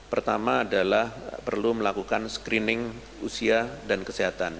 pertama adalah perlu melakukan screening usia dan kesehatan